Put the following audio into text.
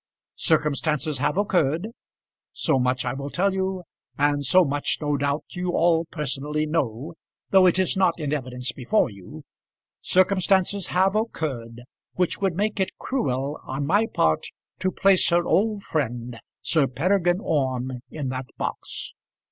Circumstances have occurred so much I will tell you, and so much no doubt you all personally know, though it is not in evidence before you; circumstances have occurred which would make it cruel on my part to place her old friend Sir Peregrine Orme in that box.